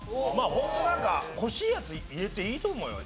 ホントなんか欲しいやつ入れていいと思うよ。